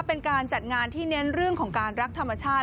เป็นการจัดงานที่เน้นเรื่องของการรักธรรมชาติ